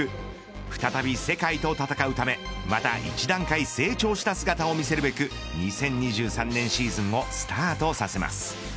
再び世界と戦うためまた１段階成長した姿を見せるべく２０２３年シーズンをスタートさせます。